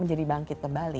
menjadi bangkit kembali